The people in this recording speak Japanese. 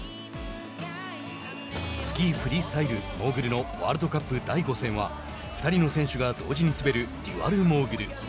スキーフリースタイルモーグルのワールドカップ第５戦は２人の選手が同時に滑るデュアルモーグル。